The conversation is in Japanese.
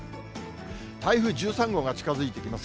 台風１３号が近づいてきます。